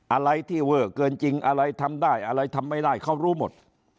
อะไรที่เวอร์เกินจริงอะไรทำได้อะไรทำไม่ได้เขารู้หมด